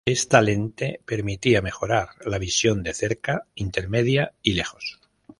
Esta lente permitía mejorar la visión de cerca, intermedia y lejos.